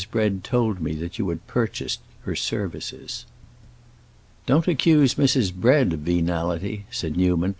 Bread told me that you had purchased her services." "Don't accuse Mrs. Bread of venality," said Newman.